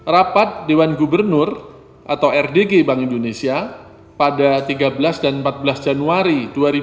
rapat dewan gubernur atau rdg bank indonesia pada tiga belas dan empat belas januari dua ribu dua puluh